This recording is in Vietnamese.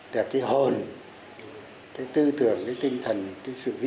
để cái hồn cái tư tưởng cái tinh thần cái sự vĩ